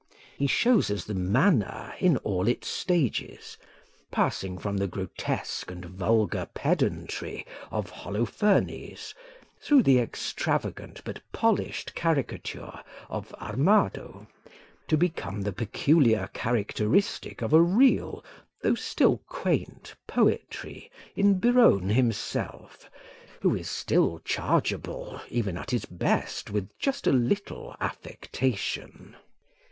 He shows us the manner in all its stages; passing from the grotesque and vulgar pedantry of Holofernes, through the extravagant but polished caricature of Armado, to become the peculiar characteristic of a real though still quaint poetry in Biron himself, who is still chargeable even at his best with just a little affectation.